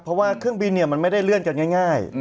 เพราะว่าเครื่องบินมันไม่ได้เลื่อนกันง่าย